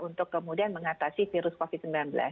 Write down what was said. untuk kemudian mengatasi virus covid sembilan belas